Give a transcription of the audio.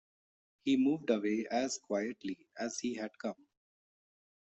He moved away as quietly as he had come.